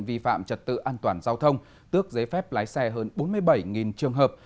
vi phạm trật tự an toàn giao thông tước giấy phép lái xe hơn bốn mươi bảy trường hợp